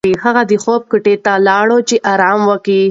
هغه د خوب کوټې ته لاړه چې ارام وکړي.